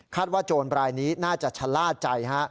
ว่าโจรบรายนี้น่าจะชะล่าใจฮะ